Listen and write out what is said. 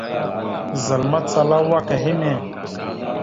Zal macala awak a henne.